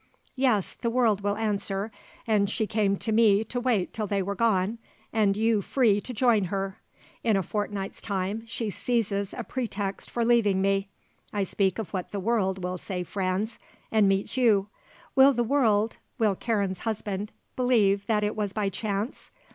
Yes, the world will answer, and she came to me to wait till they were gone and you free to join her. In a fortnight's time she seizes a pretext for leaving me I speak of what the world will say Franz and meets you. Will the world, will Karen's husband, believe that it was by chance?